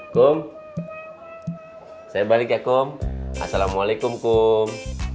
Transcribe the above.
kum saya balik ya kum assalamualaikum kum